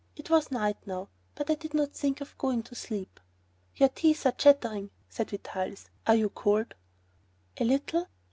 It was night now, but I did not think of going to sleep. "Your teeth are chattering," said Vitalis; "are you cold?" "A little."